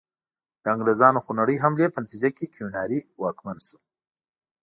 د انګریزانو خونړۍ حملې په نتیجه کې کیوناري واکمن شو.